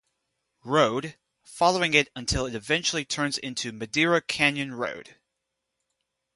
Road, following it until it eventually turns into Madera Canyon Road.